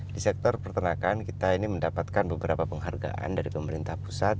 di sektor pertanakan kita ini mendapatkan beberapa penghargaan dari pemerintah pusat